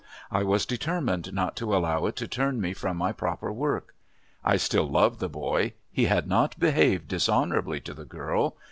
I was determined not to allow it to turn me from my proper work. I still loved the boy; he had not behaved dishonourably to the girl.